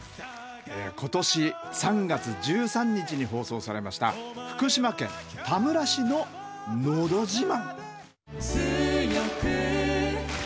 今年３月１３日に放送されました福島県田村市の「のど自慢」。